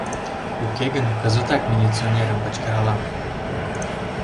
Уке гын кызытак милиционерым кычкыралам.